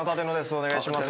お願いします